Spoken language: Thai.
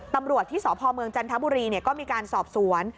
ตำรวจที่สพจันทบุรีมีการสอบสวน